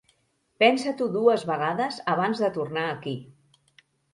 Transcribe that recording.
Pensa-t'ho dues vegades abans de tornar aquí.